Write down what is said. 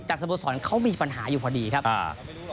สโมสรเขามีปัญหาอยู่พอดีครับอ่า